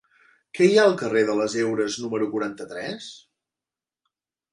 Què hi ha al carrer de les Heures número quaranta-tres?